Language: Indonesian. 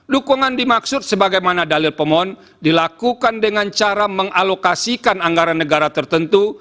dukungan dimaksud sebagaimana dalil pemohon dilakukan dengan cara mengalokasikan anggaran negara tertentu